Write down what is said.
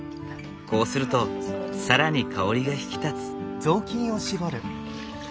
こうすると更に香りが引き立つ。